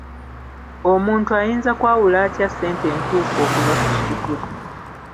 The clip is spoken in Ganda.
Omuntu ayinza kwawula atya ssente entuufu okuva ku kikyupuli?